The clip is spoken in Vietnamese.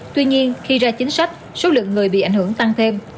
tuy nhiên khi ra chính sách số lượng người bị ảnh hưởng tăng thêm